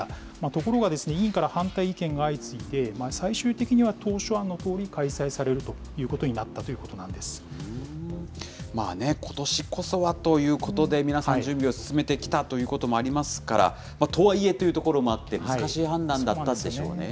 ところが、委員から反対意見が相次いで、最終的には当初案のとおり開催されるということになったことしこそはということで、皆さん準備を進めてきたということもありますから、とはいえというところもあって、難しい判断だったでしょうね。